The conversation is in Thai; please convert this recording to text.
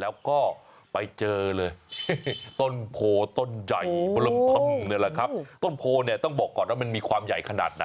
แล้วก็ไปเจอเลยต้นโพต้นใหญ่ต้นโพเนี่ยต้องบอกก่อนว่ามันมีความใหญ่ขนาดไหน